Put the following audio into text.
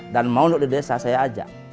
dan mau duduk di desa saya aja